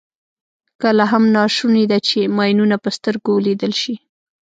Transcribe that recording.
کله هم ناشونې ده چې ماینونه په سترګو ولیدل شي.